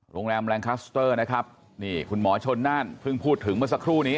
โรงแรมแรงคัสเตอร์นะครับนี่คุณหมอชนน่านเพิ่งพูดถึงเมื่อสักครู่นี้